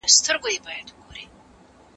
زه به اوږده موده پلان جوړ کړی وم!.